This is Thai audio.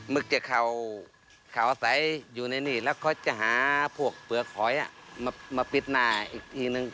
จะเข่าอาศัยอยู่ในนี่แล้วเขาจะหาพวกเปลือกหอยมาปิดหน้าอีกทีนึง